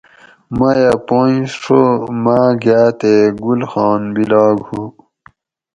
میہ پونج ڛو ماۤ گاۤ تے گل خان بِلاگ ہُو